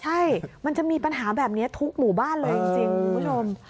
ใช่มันจะมีปัญหาแบบนี้ทุกหมู่บ้านเลยจริงคุณผู้ชม